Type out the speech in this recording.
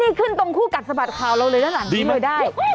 นี่ขึ้นตรงคู่กัดสะบัดขาวเราเลยน้องจอยได้